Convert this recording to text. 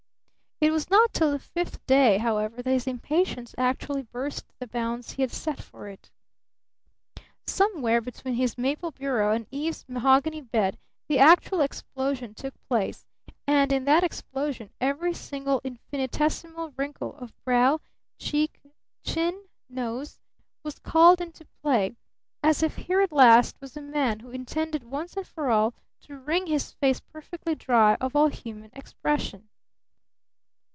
It was not till the fifth day, however, that his impatience actually burst the bounds he had set for it. Somewhere between his maple bureau and Eve's mahogany bed the actual explosion took place, and in that explosion every single infinitesimal wrinkle of brow, cheek, chin, nose, was called into play, as if here at last was a man who intended once and for all time to wring his face perfectly dry of all human expression.